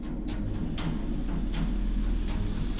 tidak ada yang bisa dikawal